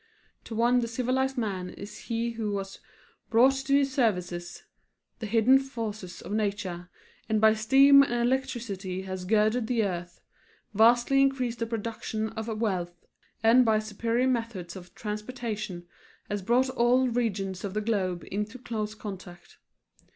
To one the civilized man is he who has brought to his service the hidden forces of nature, and by steam and electricity has girdled the earth, vastly increased the production of wealth, and by superior methods of transportation has brought all regions of the globe into close contact.